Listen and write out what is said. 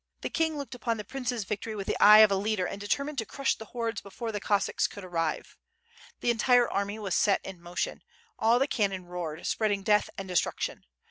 The king looked upon the prince's victory with the eve of a leader and determined to crush the hordes before the Cossacks could arrive. The entir'^ army was set in motion, all the cannon roared, spreading death and destruction.